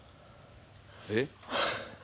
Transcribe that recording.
えっ？